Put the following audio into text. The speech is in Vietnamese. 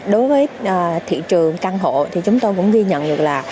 đối với thị trường căn hộ thì chúng tôi cũng ghi nhận được là